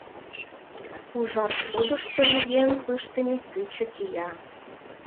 Ужар шудышто лӱен пыштыме пӱчӧ кия.